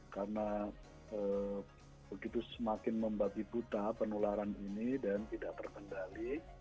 karena begitu semakin membagi buddha penularan ini dan tidak terkendali